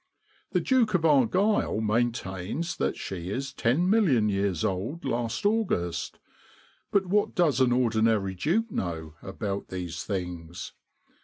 The Duke of Argyll maintains that she is 10,000,000 years old last August, but what does an ordinary duke know about these things?